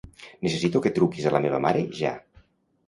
Necessito que truquis a la meva mare ja.